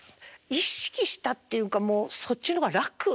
意識したっていうかもうそっちの方が楽。